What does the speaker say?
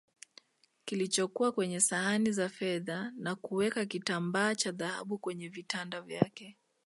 kilichokula kwenye sahani za fedha na kuweka kitambaa cha dhahabu kwenye vitanda vyake